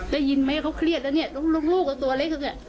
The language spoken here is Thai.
ได้ยินไหมเขาเครียดแล้วนี่ลูกกว่าตัวเล็ก